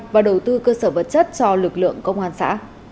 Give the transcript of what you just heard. và đầu tư cơ sở vật chất cho lực lượng công an xã